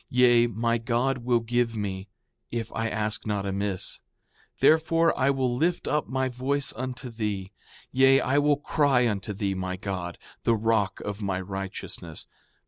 Yea, my God will give me, if I ask not amiss; therefore I will lift up my voice unto thee; yea, I will cry unto thee, my God, the rock of my righteousness.